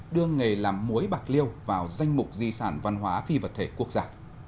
đưa nghề làm muối bạc liêu vào danh mục di sản văn hóa phi vật thể quốc gia